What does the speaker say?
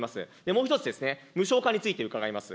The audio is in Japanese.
もう一つ、無償化について伺います。